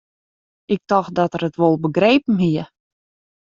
Ik tocht dat er it wol begrepen hie.